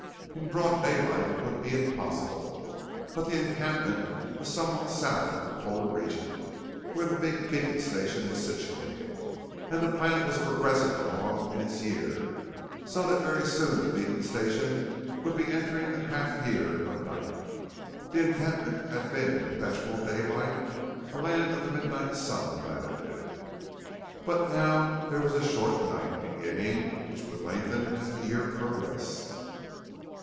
In broad daylight it would be impossible. But the encampment was somewhat south of the Polar region where the big beacon station was situated, and the planet was progressing along in its year so that very soon the beacon station would be entering the half year of night. The encampment had been in perpetual daylight, a 'Land of the Midnight Sun' latitude. But now there was a short night beginning, which would lengthen as the year progressed.